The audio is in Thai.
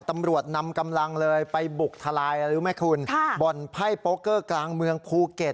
ตำรวจนำกำลังเลยไปบุกทลายอะไรรู้ไหมคุณค่ะบ่อนไพ่โป๊เกอร์กลางเมืองภูเก็ต